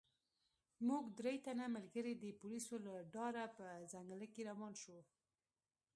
موږ درې تنه ملګري د پولیسو له ډاره په ځنګله کې روان وو.